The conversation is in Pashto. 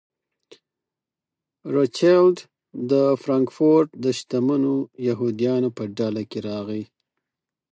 روچیلډ د فرانکفورټ د شتمنو یهودیانو په ډله کې راغی.